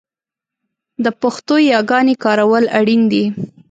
د پښتو یاګانې کارول اړین دي